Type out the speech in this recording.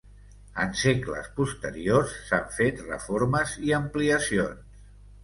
En segles posteriors s'han fet reformes i ampliacions.